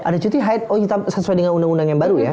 ada cuti haid oh sesuai dengan undang undang yang baru ya